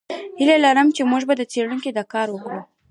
هیله لرم چې زموږ څېړونکي دا کار وکړي.